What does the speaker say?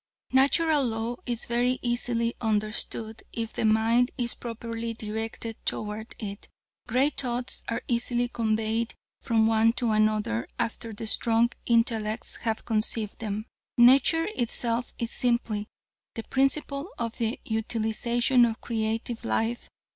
"Natural Law is very easily understood if the mind is properly directed toward it. Great thoughts are easily conveyed from one to another after the strong intellects have conceived them. Nature itself is simply the principle of the utilization of creative life.